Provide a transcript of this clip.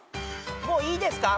もういいですか？